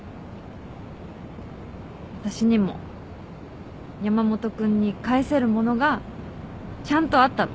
私にも山本君に返せるものがちゃんとあったの。